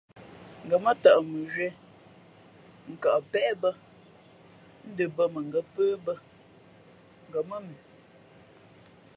Ngα̌ mά tαʼ mʉnzhwīē n kαʼ pə̄ bᾱ ń ndα bᾱ mα ngα̌ pə̄ bᾱ ngα̌ mά mʉ.